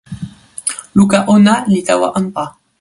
luka ona li tawa anpa.